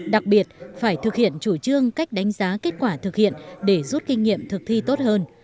đặc biệt phải thực hiện chủ trương cách đánh giá kết quả thực hiện để rút kinh nghiệm thực thi tốt hơn